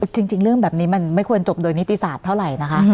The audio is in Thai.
จริงเรื่องแบบนี้มันไม่ควรจบโดยนิติศาสตร์เท่าไหร่นะคะ